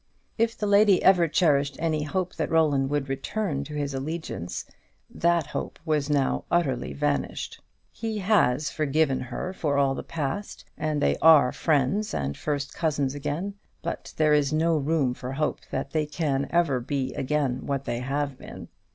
If the lady ever cherished any hope that Roland would return to his allegiance, that hope has now utterly vanished. He has forgiven her for all the past, and they are friends and first cousins again; but there is no room for hope that they can ever be again what they have been.